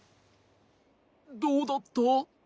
どうだった？